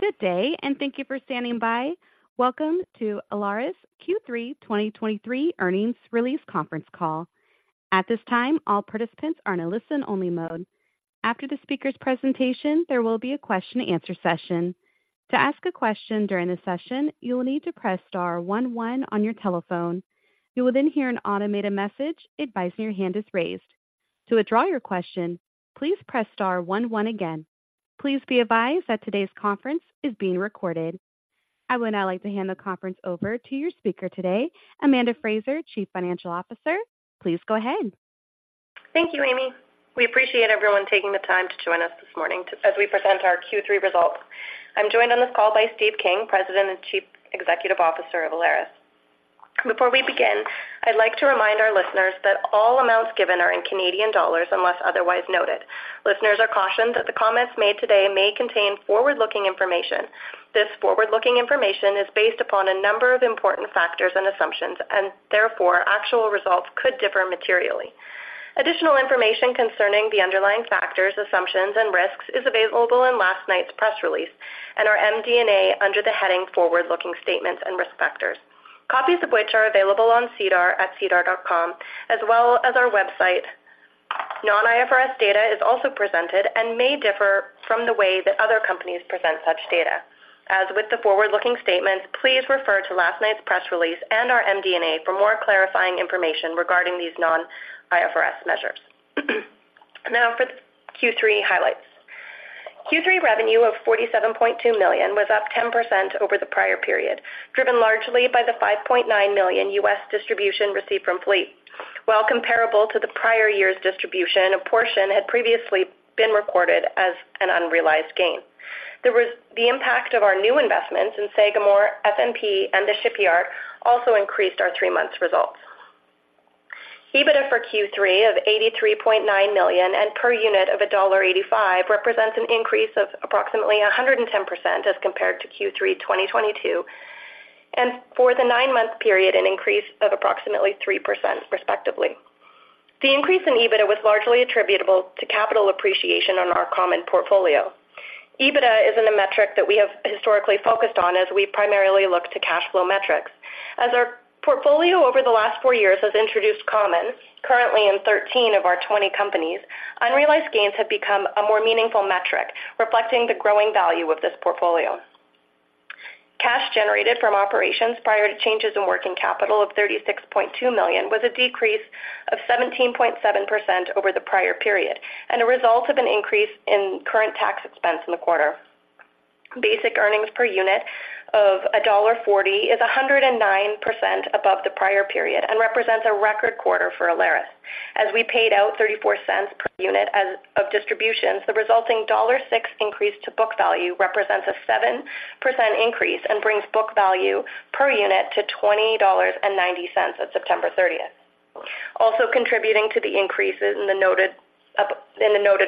Good day, and thank you for standing by. Welcome to Alaris Q3 2023 Earnings Release Conference Call. At this time, all participants are in a listen-only mode. After the speaker's presentation, there will be a question-and-answer session. To ask a question during the session, you will need to press star one one on your telephone. You will then hear an automated message advising your hand is raised. To withdraw your question, please press star one one again. Please be advised that today's conference is being recorded. I would now like to hand the conference over to your speaker today, Amanda Frazer, Chief Financial Officer. Please go ahead. Thank you, Amy. We appreciate everyone taking the time to join us this morning as we present our Q3 results. I'm joined on this call by Steve King, President and Chief Executive Officer of Alaris. Before we begin, I'd like to remind our listeners that all amounts given are in Canadian dollars, unless otherwise noted. Listeners are cautioned that the comments made today may contain forward-looking information. This forward-looking information is based upon a number of important factors and assumptions, and therefore actual results could differ materially. Additional information concerning the underlying factors, assumptions, and risks is available in last night's press release and our MD&A under the heading Forward-Looking Statements and Risk Factors, copies of which are available on SEDAR at sedar.com, as well as our website. Non-IFRS data is also presented and may differ from the way that other companies present such data. As with the forward-looking statements, please refer to last night's press release and our MD&A for more clarifying information regarding these non-IFRS measures. Now for the Q3 highlights. Q3 revenue of 47.2 million was up 10% over the prior period, driven largely by the $5.9 million US distribution received from Fleet. While comparable to the prior year's distribution, a portion had previously been recorded as an unrealized gain. The impact of our new investments in Sagamore, FMP, and the Shipyard also increased our three-month results. EBITDA for Q3 of 83.9 million and per unit of dollar 1.85 represents an increase of approximately 110% as compared to Q3 2022, and for the nine-month period, an increase of approximately 3%, respectively. The increase in EBITDA was largely attributable to capital appreciation on our common portfolio. EBITDA isn't a metric that we have historically focused on as we primarily look to cash flow metrics. As our portfolio over the last four years has introduced common, currently in 13 of our 20 companies, unrealized gains have become a more meaningful metric, reflecting the growing value of this portfolio. Cash generated from operations prior to changes in working capital of 36.2 million was a decrease of 17.7% over the prior period and a result of an increase in current tax expense in the quarter. Basic earnings per unit of dollar 1.40 is 109% above the prior period and represents a record quarter for Alaris. As we paid out 0.34 per unit as of distributions, the resulting dollar 1.06 increase to book value represents a 7% increase and brings book value per unit to 20.90 dollars at September 30. Also contributing to the increases in the noted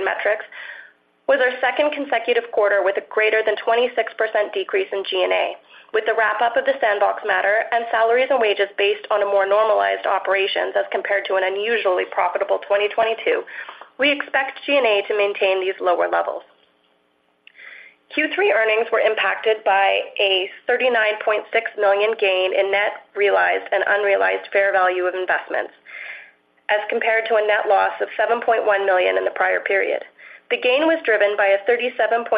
metrics was our second consecutive quarter with a greater than 26% decrease in G&A. With the wrap-up of the Sandbox matter and salaries and wages based on a more normalized operations as compared to an unusually profitable 2022, we expect G&A to maintain these lower levels. Q3 earnings were impacted by a 39.6 million gain in net realized and unrealized fair value of investments, as compared to a net loss of 7.1 million in the prior period. The gain was driven by a 37.2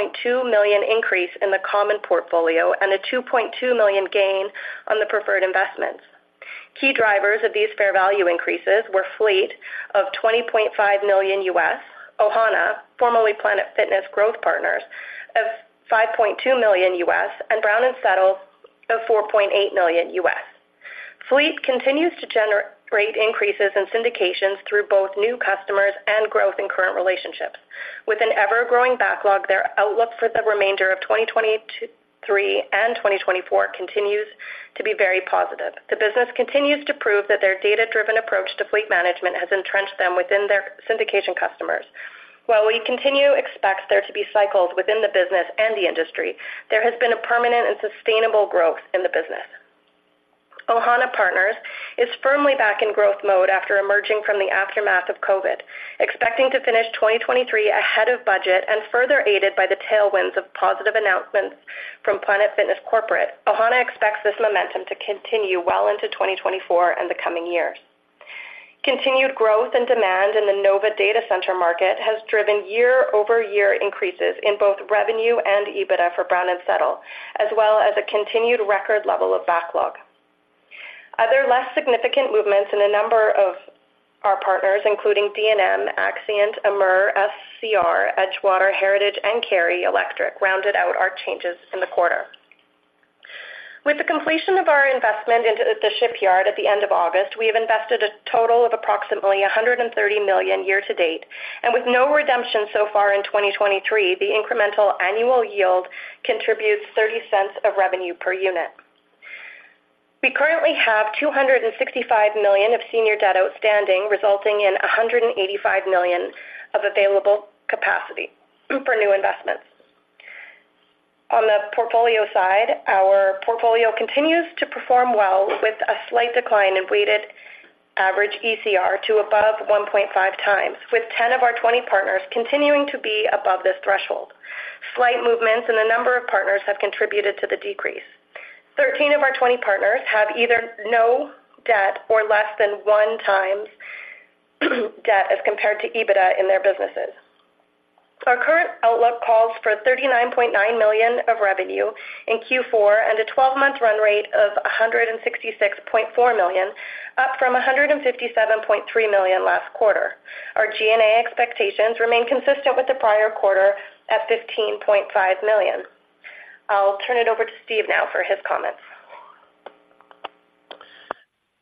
million increase in the common portfolio and a 2.2 million gain on the preferred investments. Key drivers of these fair value increases were Fleet of $20.5 million, Ohana, formerly Planet Fitness Growth Partners, of $5.2 million, and Brown & Settle of $4.8 million. Fleet continues to generate increases in syndications through both new customers and growth in current relationships. With an ever-growing backlog, their outlook for the remainder of 2023 and 2024 continues to be very positive. The business continues to prove that their data-driven approach to fleet management has entrenched them within their syndication customers. While we continue to expect there to be cycles within the business and the industry, there has been a permanent and sustainable growth in the business. Ohana Partners is firmly back in growth mode after emerging from the aftermath of COVID, expecting to finish 2023 ahead of budget and further aided by the tailwinds of positive announcements from Planet Fitness Corporate. Ohana expects this momentum to continue well into 2024 and the coming years. Continued growth and demand in the NoVA Data Center market has driven year-over-year increases in both revenue and EBITDA for Brown & Settle, as well as a continued record level of backlog. Other less significant movements in a number of our partners, including D&M, Accscient, Amur, SCR, Edgewater, Heritage, and Carey Electric, rounded out our changes in the quarter. With the completion of our investment into The Shipyard at the end of August, we have invested a total of approximately 130 million year to date, and with no redemption so far in 2023, the incremental annual yield contributes 0.30 of revenue per unit. We currently have 265 million of senior debt outstanding, resulting in 185 million of available capacity for new investments. On the portfolio side, our portfolio continues to perform well, with a slight decline in weighted average ECR to above 1.5 times, with 10 of our 20 partners continuing to be above this threshold. Slight movements in the number of partners have contributed to the decrease. Thirteen of our 20 partners have either no debt or less than 1 times debt as compared to EBITDA in their businesses. Our current outlook calls for 39.9 million of revenue in Q4 and a 12-month run rate of 166.4 million, up from 157.3 million last quarter. Our G&A expectations remain consistent with the prior quarter at 15.5 million. I'll turn it over to Steve now for his comments.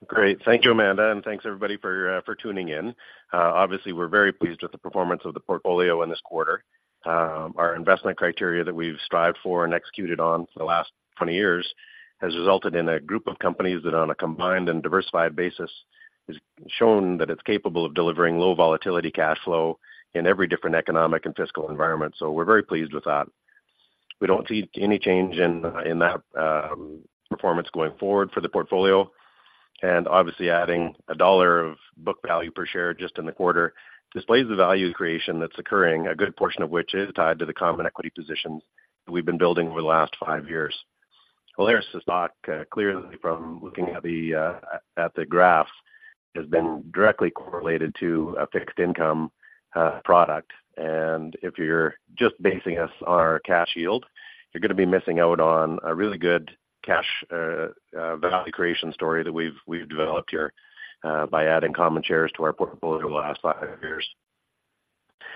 Great. Thank you, Amanda, and thanks everybody for tuning in. Obviously, we're very pleased with the performance of the portfolio in this quarter. Our investment criteria that we've strived for and executed on for the last 20 years has resulted in a group of companies that, on a combined and diversified basis, has shown that it's capable of delivering low volatility cash flow in every different economic and fiscal environment. So we're very pleased with that. We don't see any change in, in that, performance going forward for the portfolio. And obviously, adding $1 of book value per share just in the quarter displays the value creation that's occurring, a good portion of which is tied to the common equity positions that we've been building over the last five years. Alaris stock clearly from looking at the graphs has been directly correlated to a fixed income product. And if you're just basing us on our cash yield, you're going to be missing out on a really good cash value creation story that we've developed here by adding common shares to our portfolio over the last five years.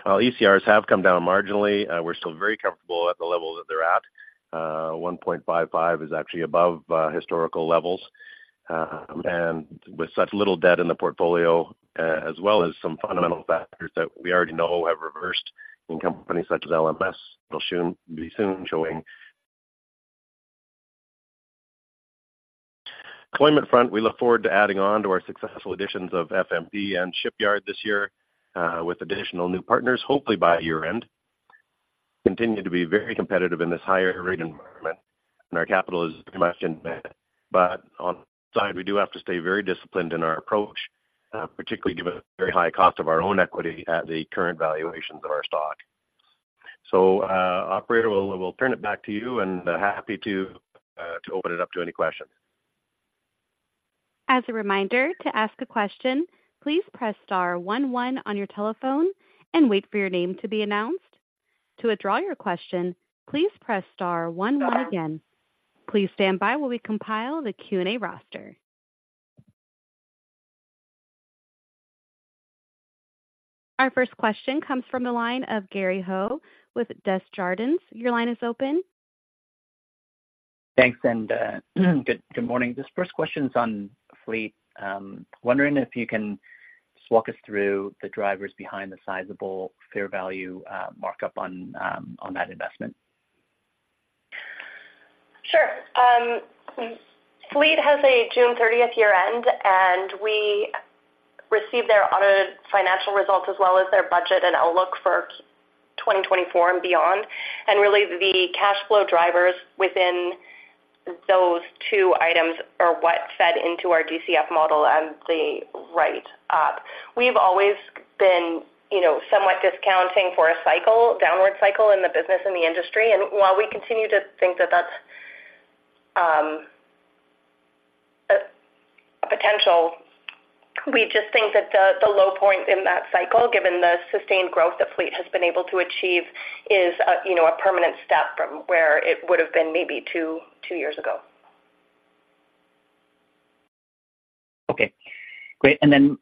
While ECRs have come down marginally, we're still very comfortable at the level that they're at. One point five five is actually above historical levels. And with such little debt in the portfolio, as well as some fundamental factors that we already know have reversed in companies such as LMS, will soon be soon showing. Deployment front, we look forward to adding on to our successful additions of FMP and Shipyard this year, with additional new partners, hopefully by year-end. Continue to be very competitive in this higher rate environment, and our capital is much invested. But on the side, we do have to stay very disciplined in our approach, particularly given the very high cost of our own equity at the current valuations of our stock. So, operator, we'll, we'll turn it back to you, and, happy to, to open it up to any questions. As a reminder, to ask a question, please press star one one on your telephone and wait for your name to be announced. To withdraw your question, please press star one one again. Please stand by while we compile the Q&A roster. Our first question comes from the line of Gary Ho with Desjardins. Your line is open. Thanks, and good morning. This first question is on Fleet. Wondering if you can just walk us through the drivers behind the sizable fair value markup on that investment. Sure. Fleet has a June 30 year-end, and we received their audited financial results as well as their budget and outlook for 2024 and beyond. And really, the cash flow drivers within those two items are what fed into our DCF model and the write up. We've always been, you know, somewhat discounting for a cycle, downward cycle in the business and the industry. And while we continue to think that that's a potential, we just think that the low point in that cycle, given the sustained growth that Fleet has been able to achieve, is a, you know, a permanent step from where it would have been maybe two years ago. Okay, great. And then,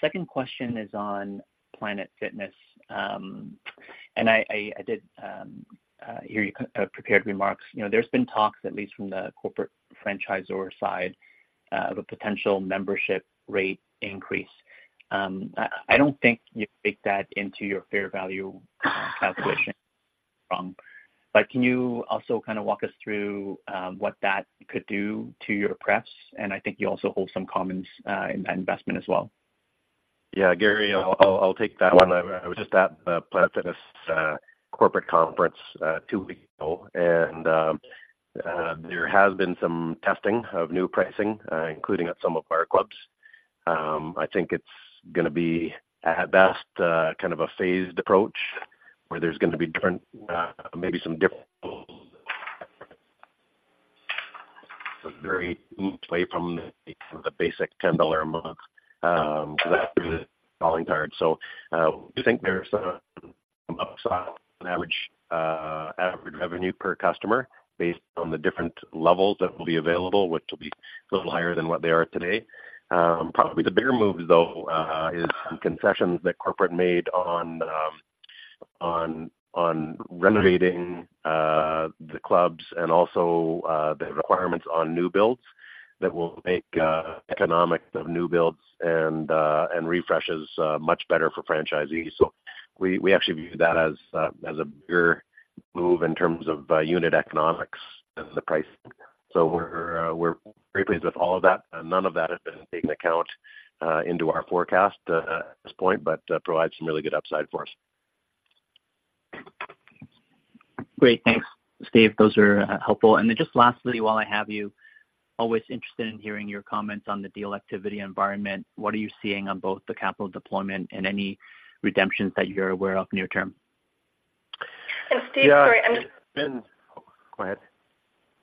second question is on Planet Fitness. And I did hear you prepared remarks. You know, there's been talks, at least from the corporate franchisor side, of a potential membership rate increase. I don't think you baked that into your fair value calculation wrong. But can you also kind of walk us through what that could do to your press? And I think you also hold some comments in that investment as well. Yeah, Gary, I'll take that one. I was just at the Planet Fitness corporate conference two weeks ago, and there has been some testing of new pricing, including at some of our clubs. I think it's gonna be at best kind of a phased approach, where there's gonna be different, maybe some different... So very much away from the basic $10 a month calling card. So, we think there's some upside on average revenue per customer based on the different levels that will be available, which will be a little higher than what they are today. Probably the bigger move, though, is some concessions that corporate made on renovating the clubs and also the requirements on new builds that will make economics of new builds and refreshes much better for franchisees. So we actually view that as a bigger move in terms of unit economics as the price. So we're very pleased with all of that, and none of that has been taken account into our forecast at this point, but provides some really good upside for us. Great, thanks, Steve. Those are helpful. And then just lastly, while I have you, always interested in hearing your comments on the deal activity environment, what are you seeing on both the capital deployment and any redemptions that you're aware of near term? Steve, sorry, I'm just- Go ahead.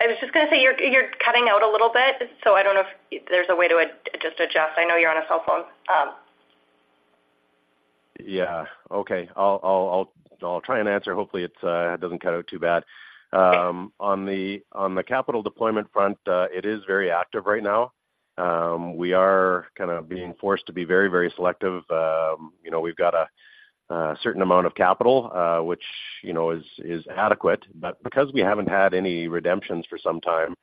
I was just gonna say, you're cutting out a little bit, so I don't know if there's a way to just adjust. I know you're on a cell phone. Yeah. Okay. I'll try and answer. Hopefully, it's, it doesn't cut out too bad. On the capital deployment front, it is very active right now. We are kind of being forced to be very, very selective, you know, we've got a certain amount of capital, which, you know, is adequate. But because we haven't had any redemptions for some time,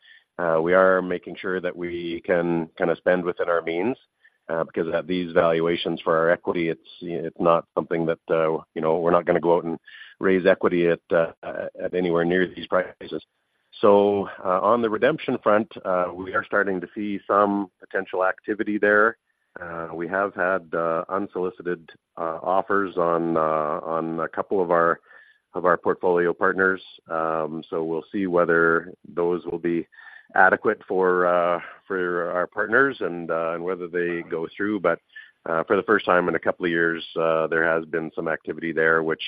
we are making sure that we can kinda spend within our means, because at these valuations for our equity, it's not something that, you know, we're not gonna go out and raise equity at anywhere near these prices. So, on the redemption front, we are starting to see some potential activity there. We have had unsolicited offers on a couple of our portfolio partners. So we'll see whether those will be adequate for our partners and whether they go through. But for the first time in a couple of years, there has been some activity there, which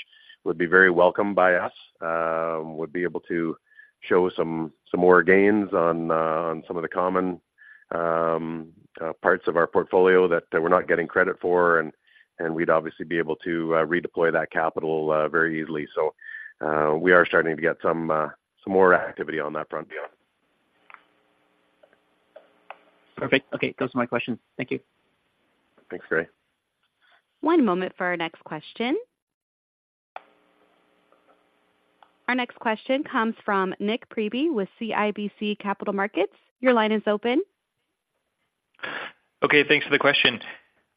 would be very welcomed by us. Would be able to show some more gains on some of the common parts of our portfolio that we're not getting credit for, and we'd obviously be able to redeploy that capital very easily. So we are starting to get some more activity on that front deal. Perfect. Okay. Those are my questions. Thank you. Thanks, Gary. One moment for our next question. Our next question comes from Nik Priebe with CIBC Capital Markets. Your line is open. Okay, thanks for the question.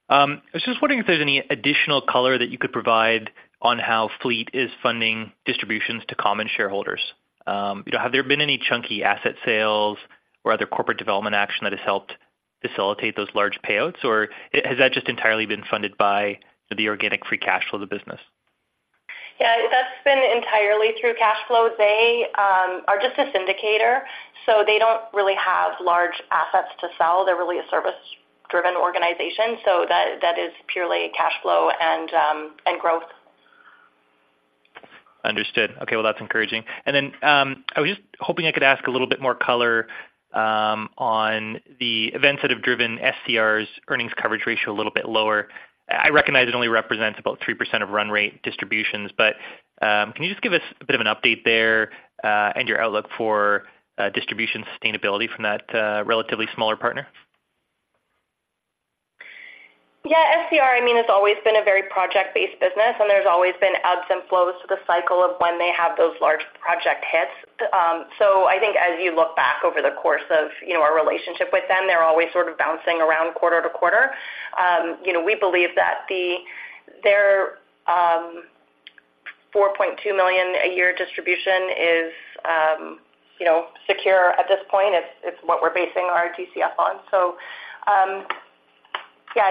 I was just wondering if there's any additional color that you could provide on how Fleet is funding distributions to common shareholders. You know, have there been any chunky asset sales or other corporate development action that has helped facilitate those large payouts, or has that just entirely been funded by the organic free cash flow of the business? Yeah, that's been entirely through cash flow. They are just a syndicator, so they don't really have large assets to sell. They're really a service-driven organization, so that is purely cash flow and growth. Understood. Okay, well, that's encouraging. And then, I was just hoping I could ask a little bit more color on the events that have driven SCR's earnings coverage ratio a little bit lower. I recognize it only represents about 3% of run rate distributions, but, can you just give us a bit of an update there, and your outlook for distribution sustainability from that relatively smaller partner? Yeah, SCR, I mean, has always been a very project-based business, and there's always been ebbs and flows to the cycle of when they have those large project hits. So I think as you look back over the course of, you know, our relationship with them, they're always sort of bouncing around quarter to quarter. You know, we believe that their $4.2 million a year distribution is, you know, secure at this point. It's, it's what we're basing our DCF on. So, yeah,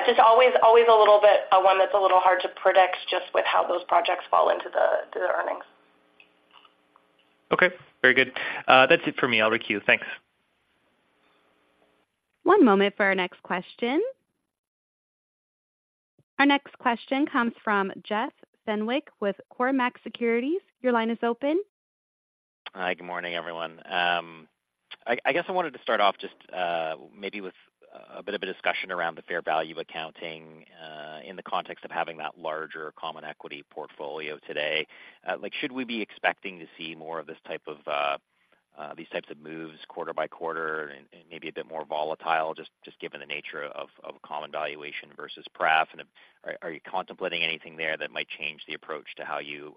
just always, always a little bit, one that's a little hard to predict just with how those projects fall into the earnings. Okay, very good. That's it for me. I'll queue. Thanks. One moment for our next question. Our next question comes from Jeff Fenwick with Cormark Securities. Your line is open. Hi, good morning, everyone. I guess I wanted to start off just maybe with a bit of a discussion around the fair value accounting in the context of having that larger common equity portfolio today. Like, should we be expecting to see more of this type of these types of moves quarter by quarter and maybe a bit more volatile, just given the nature of common valuation versus pref? And are you contemplating anything there that might change the approach to how you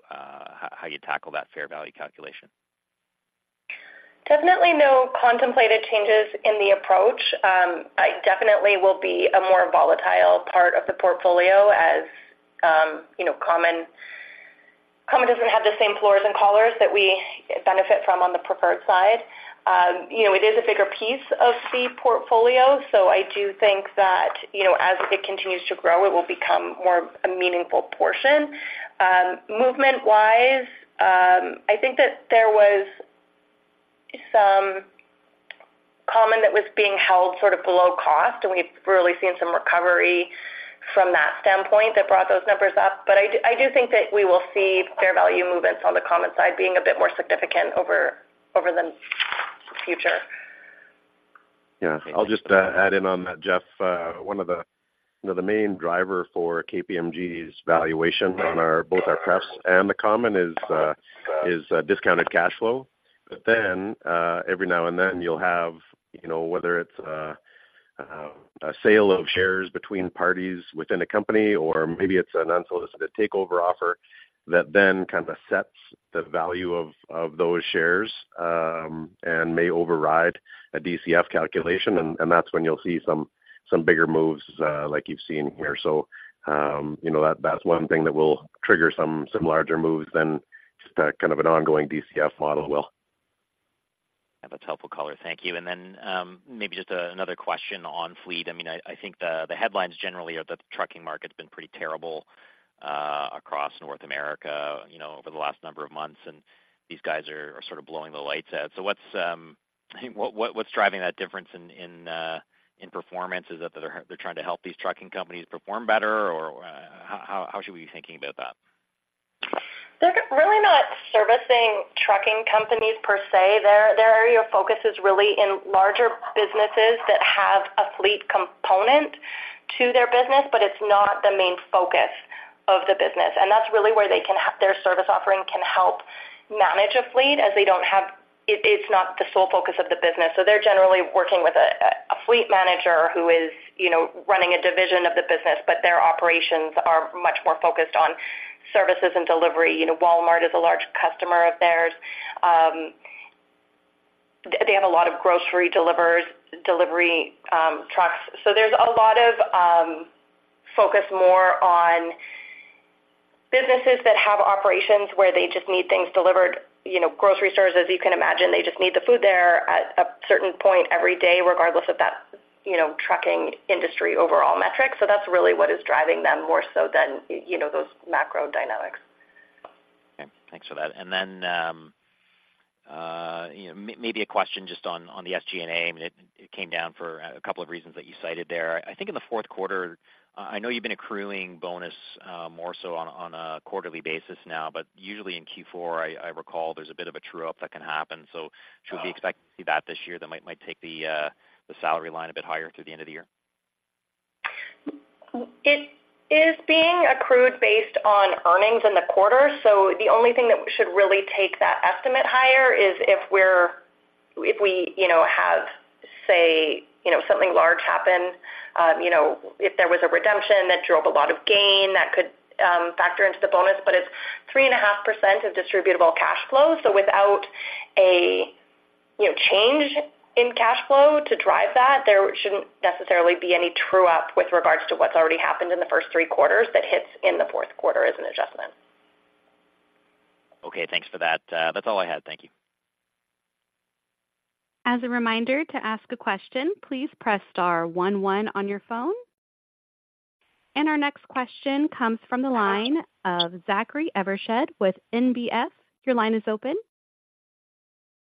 tackle that fair value calculation? Definitely no contemplated changes in the approach. I definitely will be a more volatile part of the portfolio, as, you know, common, common doesn't have the same floors and collars that we benefit from on the preferred side. You know, it is a bigger piece of the portfolio, so I do think that, you know, as it continues to grow, it will become more a meaningful portion. Movement-wise, I think that there was some common that was being held sort of below cost, and we've really seen some recovery from that standpoint that brought those numbers up. But I do, I do think that we will see fair value movements on the common side being a bit more significant over, over the future. Yeah. I'll just add in on that, Jeff. One of the... You know, the main driver for KPMG's valuation on our, both our prefs and the common is, is, discounted cash flow. But then, every now and then, you'll have, you know, whether it's a, a sale of shares between parties within a company, or maybe it's an unsolicited takeover offer that then kind of sets the value of, of those shares, and may override a DCF calculation, and, that's when you'll see some, some bigger moves, like you've seen here. So, you know, that-that's one thing that will trigger some, some larger moves than just a kind of an ongoing DCF model will. ... That's helpful, caller. Thank you. Then, maybe just another question on Fleet. I mean, I think the headlines generally are that the trucking market's been pretty terrible across North America, you know, over the last number of months, and these guys are sort of blowing the lights out. So what's driving that difference in performance? Is it that they're trying to help these trucking companies perform better, or how should we be thinking about that? They're really not servicing trucking companies per se. Their area of focus is really in larger businesses that have a fleet component to their business, but it's not the main focus of the business, and that's really where they can have their service offering can help manage a fleet as they don't have it. It's not the sole focus of the business. So they're generally working with a fleet manager who is, you know, running a division of the business, but their operations are much more focused on services and delivery. You know, Walmart is a large customer of theirs. They have a lot of grocery delivery trucks. So there's a lot of focus more on businesses that have operations where they just need things delivered. You know, grocery stores, as you can imagine, they just need the food there at a certain point every day, regardless of that, you know, trucking industry overall metrics. So that's really what is driving them more so than, you know, those macro dynamics. Okay. Thanks for that. And then, you know, maybe a question just on, on the SG&A. I mean, it came down for a couple of reasons that you cited there. I think in the fourth quarter, I know you've been accruing bonus, more so on a, on a quarterly basis now, but usually in Q4, I recall there's a bit of a true up that can happen. So should we expect to see that this year, that might, might take the, the salary line a bit higher through the end of the year? It is being accrued based on earnings in the quarter, so the only thing that should really take that estimate higher is if we, you know, have, say, you know, something large happen. You know, if there was a redemption that drove a lot of gain, that could factor into the bonus, but it's 3.5% of distributable cash flow. So without a, you know, change in cash flow to drive that, there shouldn't necessarily be any true up with regards to what's already happened in the first three quarters that hits in the fourth quarter as an adjustment. Okay, thanks for that. That's all I had. Thank you. As a reminder to ask a question, please press star one, one on your phone. Our next question comes from the line of Zachary Evershed with NBF. Your line is open.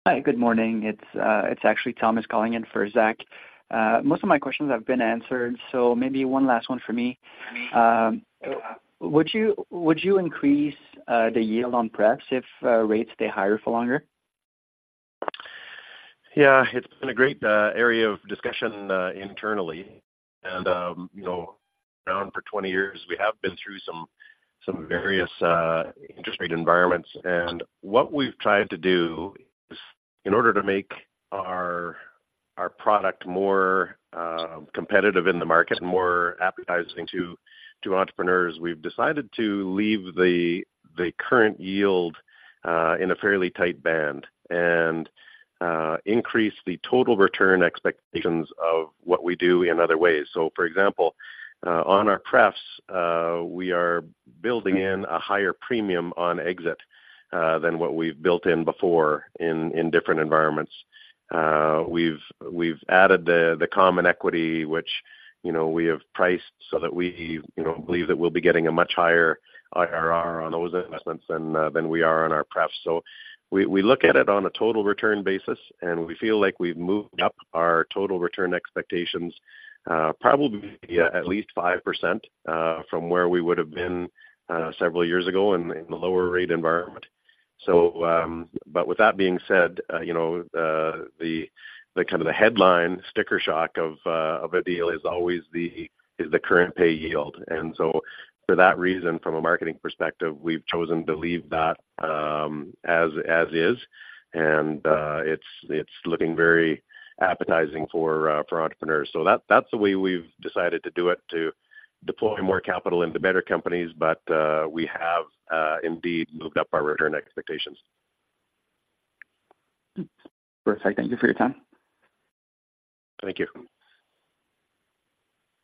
Hi, good morning. It's, it's actually Thomas calling in for Zach. Most of my questions have been answered, so maybe one last one for me. Would you, would you increase the yield on prefs if rates stay higher for longer? Yeah, it's been a great area of discussion internally. And you know, around for 20 years, we have been through some various interest rate environments. And what we've tried to do is, in order to make our product more competitive in the market, more appetizing to entrepreneurs, we've decided to leave the current yield in a fairly tight band and increase the total return expectations of what we do in other ways. So for example, on our prefs, we are building in a higher premium on exit than what we've built in before in different environments. We've added the common equity, which you know, we have priced so that we believe that we'll be getting a much higher IRR on those investments than we are on our prefs. So we look at it on a total return basis, and we feel like we've moved up our total return expectations, probably at least 5%, from where we would have been, several years ago in the lower rate environment. So... But with that being said, you know, the kind of the headline sticker shock of a deal is always the current pay yield. And so for that reason, from a marketing perspective, we've chosen to leave that, as is, and it's looking very appetizing for entrepreneurs. So that's the way we've decided to do it, to deploy more capital into better companies. But we have indeed moved up our return expectations. Perfect. Thank you for your time. Thank you.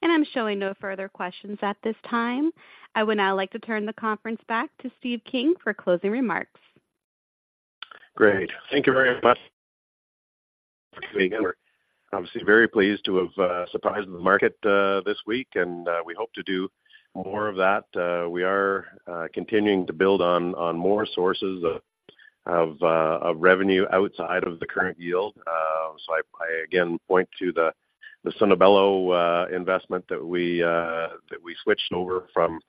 I'm showing no further questions at this time. I would now like to turn the conference back to Steve King for closing remarks. Great. Thank you very much. We're obviously very pleased to have surprised the market this week, and we hope to do more of that. We are continuing to build on more sources of revenue outside of the current yield. So I again point to the Sono Bello investment that we switched over from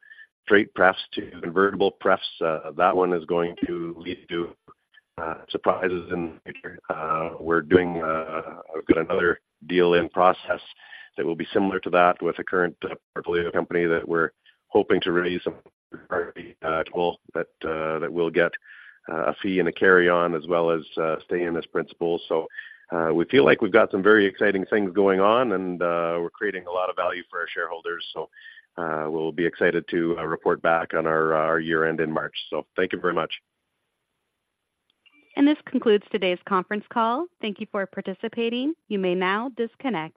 straight prefs to convertible prefs. That one is going to lead to surprises in the future. We're doing another deal in process that will be similar to that with a current portfolio company that we're hoping to raise some that that will get a fee and a carry-on as well as stay in as principal. So, we feel like we've got some very exciting things going on, and we're creating a lot of value for our shareholders. So, we'll be excited to report back on our year-end in March. So thank you very much. This concludes today's conference call. Thank you for participating. You may now disconnect.